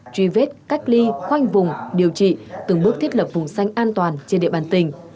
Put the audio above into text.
truy vết cách ly khoanh vùng điều trị từng bước thiết lập vùng xanh an toàn trên địa bàn tỉnh